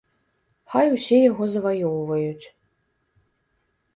Хай усе яго заваёўваюць.